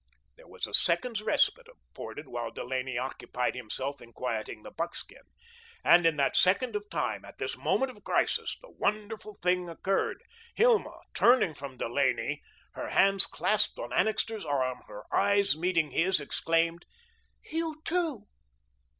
There was a second's respite afforded while Delaney occupied himself in quieting the buckskin, and in that second of time, at this moment of crisis, the wonderful thing occurred. Hilma, turning from Delaney, her hands clasped on Annixter's arm, her eyes meeting his, exclaimed: "You, too!"